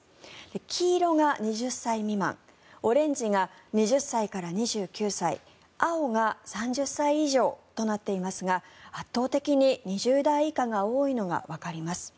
黄色が２０歳未満オレンジが２０歳から２９歳青が３０歳以上となっていますが圧倒的に２０代以下が多いのがわかります。